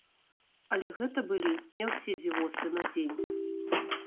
Але гэта былі не ўсе дзівосы на дзень.